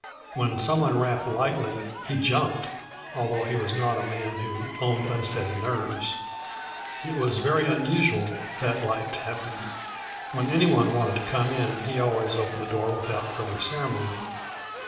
When some one rapped lightly he jumped, although he was not a man who owned unsteady nerves. It was very unusual, that light tapping. When any one wanted to come in he always opened the door without further ceremony.